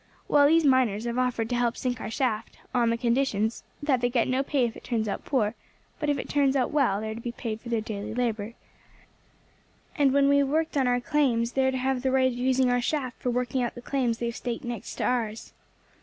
Well these miners have offered to help sink our shaft, on the conditions that they get no pay if it turns out poor, but if it turns out well they are to be paid for their daily labour, and when we have worked out our claims they are to have the right of using our shaft for working out the claims they have staked out next to ours."